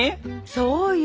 そうよ